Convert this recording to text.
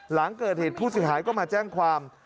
หลังเกิดเหตุผู้เสียหายก็มาแจ้งความ